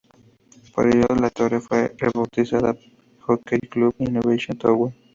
Por ello, la torre fue rebautizada Jockey Club Innovation Tower.